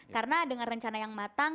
karena dengan rencana yang matang